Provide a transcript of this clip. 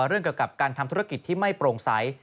เรื่องเกี่ยวกับการทำธุรกิจที่ไม่โปร่งใส